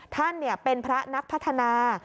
ท่านเป็นพระนักพัฒนา